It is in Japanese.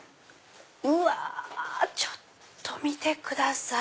うわちょっと見てください。